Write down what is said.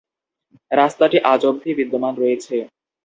রাস্তাটি আজ অবধি বিদ্যমান রয়েছে।